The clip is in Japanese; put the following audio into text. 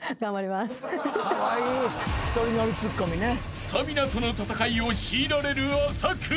［スタミナとの戦いを強いられる麻倉］